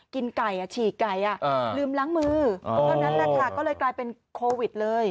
กินไก่ฉีกไก่ลืมล้างมือเพราะฉะนั้นก็เลยกลายเป็นโควิดเลย